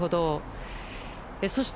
そして、